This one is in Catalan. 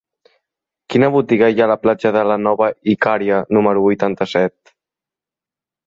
Quina botiga hi ha a la platja de la Nova Icària número vuitanta-set?